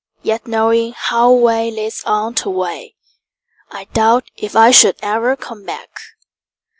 Yet knowing how way leads on to way,I doubted if I should ever come back.